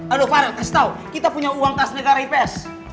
aduh farel kasih tau kita punya uang khas negara ips